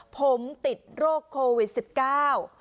ผมติดโรคโควิดสิบเก้า